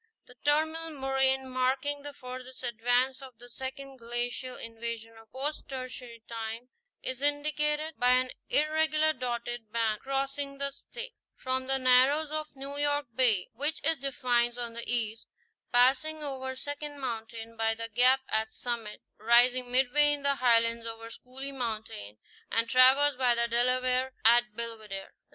The terminal moraine, marking the furthest advance of the second glacial invasion of post tertiary time, is indicated by an irregular dotted band crossing the State, from the Narrows of New York Bay, which it defines, on the east, passing over Second Mountain by the gap at Summit (S), rising midway in the Highlands over Schooley Mountain, and traversed by the Delaware at Belvidere (B).